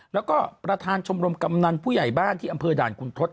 แล้วก็ประธานชมรมกำนันผู้ใหญ่บ้านที่อำเภอด่านคุณทศ